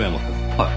はい。